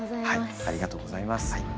ありがとうございます。